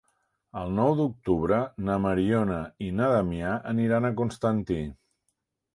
El nou d'octubre na Mariona i na Damià aniran a Constantí.